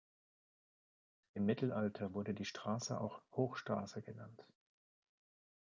Im Mittelalter wurde die Straße auch "Hochstraße" genannt.